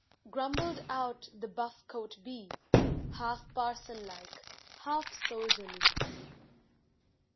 Grumbled out the buff coat Bee, Half parson like, half soldierly.